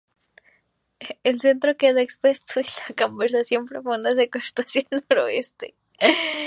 El centro quedó expuesto y la convección profunda se cortó hacia el noreste.